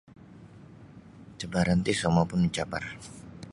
Cabaran ti samua pun mancabar.